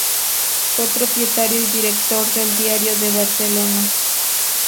Fue propietario y director del "Diario de Barcelona".